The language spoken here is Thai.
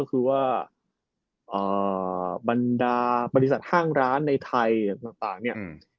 คือว่าบริษัทห้างร้านในไทยน่ะต่างเนี่ย